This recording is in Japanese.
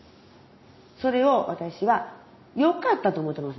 それを私はよかったと思うてますねん。